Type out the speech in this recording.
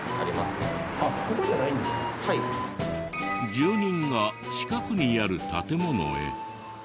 住人が近くにある建物へ。